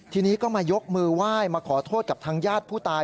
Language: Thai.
ทีนี้ก็มายกมือไหว้มาขอโทษกับทางญาติผู้ตาย